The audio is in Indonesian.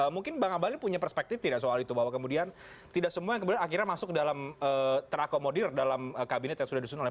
mungkin bang abalin punya perspektif tidak soal itu bahwa kemudian tidak semua yang kemudian akhirnya masuk dalam terakomodir dalam kabinet yang sudah disusun oleh